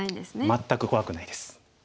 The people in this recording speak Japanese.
全く怖くないです。